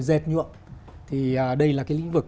dệt nhuộm thì đây là cái lĩnh vực